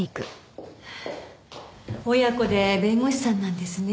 親子で弁護士さんなんですね。